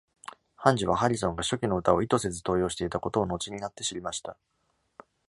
判事は、ハリソンが初期の歌を意図せず盗用していたことを後になって知りました。